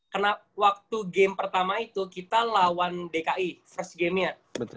karena waktu game pertama itu kita lawan dki first gamenya